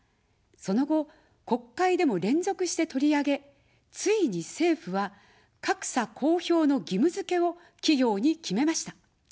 その後、国会でも連続して取り上げ、ついに政府は格差公表の義務づけを企業に決めました。